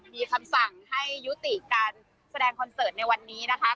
มีคำสั่งให้ยุติการแสดงคอนเสิร์ตในวันนี้นะคะ